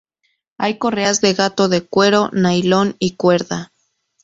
Hay correas de gato de cuero, nailon y cuerda.